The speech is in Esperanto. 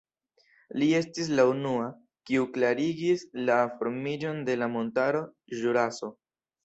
Li estis la unua, kiu klarigis la formiĝon de la montaro Ĵuraso.